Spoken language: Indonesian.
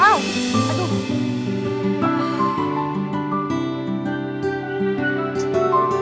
aku mau ke sana